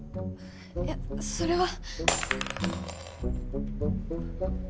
いやそれは。